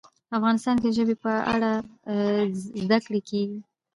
افغانستان کې د ژبې په اړه زده کړه کېږي.